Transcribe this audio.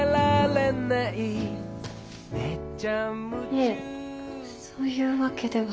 いえそういうわけでは。